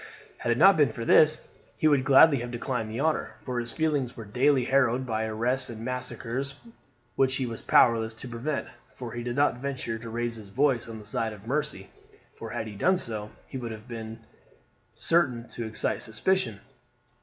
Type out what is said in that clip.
Had it not been for this he would gladly have declined the honour, for his feelings were daily harrowed by arrests and massacres which he was powerless to prevent, for he did not venture to raise his voice on the side of mercy, for had he done so, it would have been certain to excite suspicion.